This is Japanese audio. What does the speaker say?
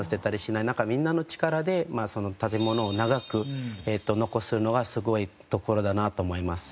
なんかみんなの力で建ものを長く残すのはすごいところだなと思います。